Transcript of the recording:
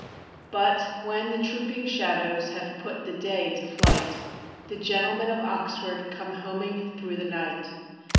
But, when the trooping shadows Have put the day to flight, The Gentlemen of Oxford Come homing through the night.